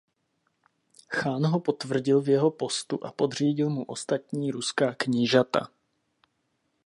Chán ho potvrdil v jeho postu a podřídil mu ostatní ruská knížata..